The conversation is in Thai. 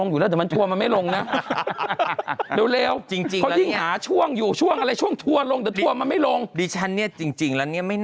อย่างนั้นก็เอาไอ้ที่พูดเมื่อกี้นี้ออกเลยดิ